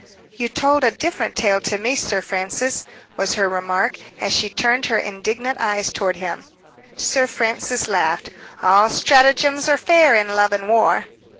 "You told a different tale to me, Sir Francis," was her remark, as she turned her indignant eyes toward him. Sir Francis laughed. "All stratagems are fair in love and war."